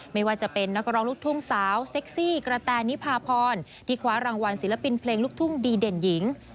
ไม่ว่าจะเป็นนักร้องลูกทุ่งสาวเซ็กซี่กระแตนิพาพรที่คว้ารางวัลศิลปินเพลงลูกทุ่งดีเด่นหญิง